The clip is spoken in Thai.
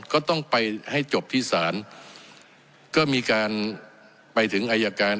ก็ต้องไปให้จบที่ศาลก็มีการไปถึงอายการ